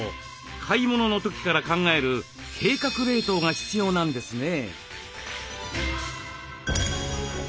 買い物の時から考える「計画冷凍」が必要なんですね。